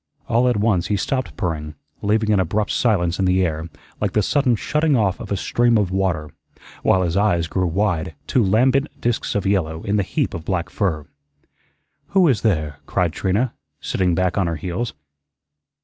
All at once he stopped purring, leaving an abrupt silence in the air like the sudden shutting off of a stream of water, while his eyes grew wide, two lambent disks of yellow in the heap of black fur. "Who is there?" cried Trina, sitting back on her heels.